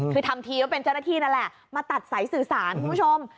คือทำทีว่าเป็นเจ้าหน้าที่นั่นแหละมาตัดสายสื่อสารคุณผู้ชม